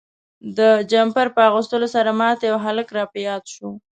د جمپر په اغوستلو سره ما ته یو هلک را په یاد شو.